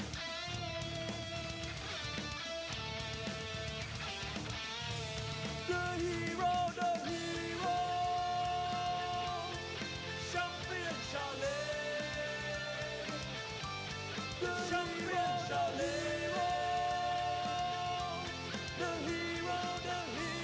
โปรดติดตามตอนต่อไป